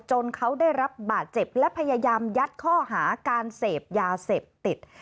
เขาได้รับบาดเจ็บและพยายามยัดข้อหาการเสพยาเสพติด